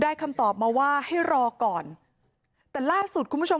คำตอบมาว่าให้รอก่อนแต่ล่าสุดคุณผู้ชม